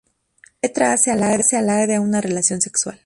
La letra hace alarde a una relación sexual.